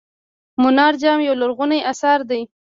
منار جام یو لرغونی اثر دی.